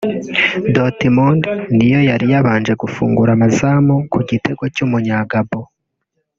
Dortmund niyo yari yabanje gufungura amazamu ku gitego cy’Umunya-Gabon